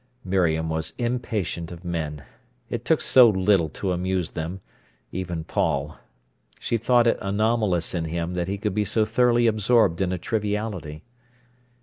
Miriam was impatient of men. It took so little to amuse them—even Paul. She thought it anomalous in him that he could be so thoroughly absorbed in a triviality.